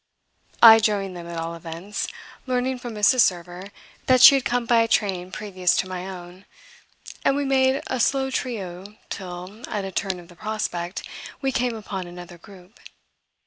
I joined them, at all events, learning from Mrs. Server that she had come by a train previous to my own; and we made a slow trio till, at a turn of the prospect, we came upon another group.